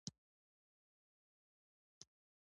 د اوبو رسولو سیستم باید ښه مدیریت شي.